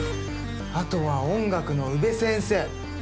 あとは音楽の宇部先生。